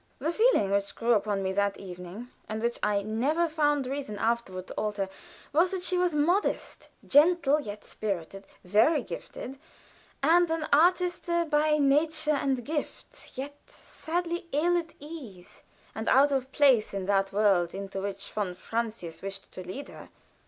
The feeling which grew upon me that evening, and which I never found reason afterward to alter, was that she was modest, gentle, yet spirited, very gifted, and an artiste by nature and gift, yet sadly ill at ease and out of place in that world into which von Francius wished to lead her.